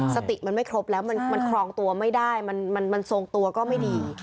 สติมันไม่ครบแล้วมันครองตัวไม่ได้มันทรงตัวก็ไม่ดี